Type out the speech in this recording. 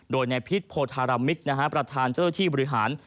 โดยในพิษโพธารามิกประธานเจ้าหน้าที่บริหาร